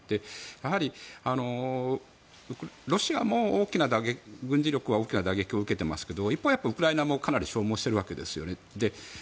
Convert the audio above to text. やはりロシアも軍事力は大きな打撃を受けていますけど一方、ウクライナもかなりの消耗しているわけですよね。